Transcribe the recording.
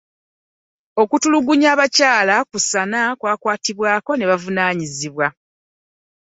Okutulugunya abakyala kusaana kukwatibwako na buvunaanyizibwa.